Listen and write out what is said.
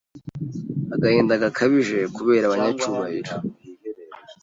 agahinda gakabije kubera abanyacyubahiro